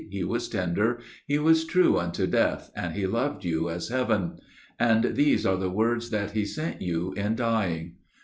He was tender. He was true unto death, and he loved you as heaven. And these are the words that he sent you in dying.